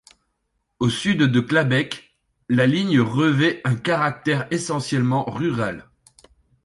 Au sud de Clabecq, la ligne revêt un caractère essentiellement rural.